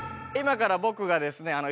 今からぼくがですね